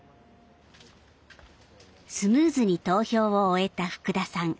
スムーズに投票を終えた福田さん。